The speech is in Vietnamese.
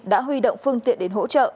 đã huy động phương tiện đến hỗ trợ